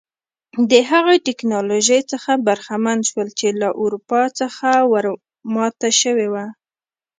د هغې ټکنالوژۍ څخه برخمن شول چې له اروپا څخه ور ماته شوې وه.